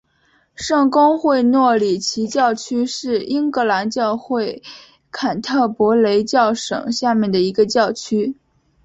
圣公会诺里奇教区是英格兰教会坎特伯雷教省下面的一个教区。